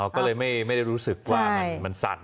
ก็เลยไม่ได้รู้สึกว่ามันสั่น